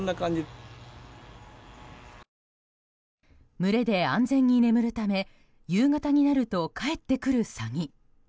群れで安全に眠るため夕方になると帰ってくるサギ。